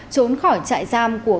trốn khỏi trại giam của